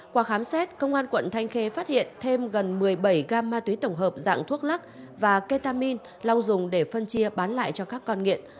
qua khám xét công an quận thanh khê phát hiện thêm gần một mươi bảy gam ma túy tổng hợp dạng thuốc lắc và ketamin long dùng để phân chia bán lại cho các con nghiện